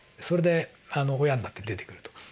それで親になって出てくると。